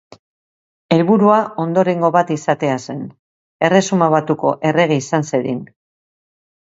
Helburua ondorengo bat izatea zen, Erresuma Batuko errege izan zedin.